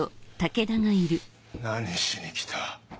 何しに来た。